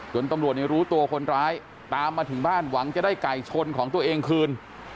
ตำรวจรู้ตัวคนร้ายตามมาถึงบ้านหวังจะได้ไก่ชนของตัวเองคืน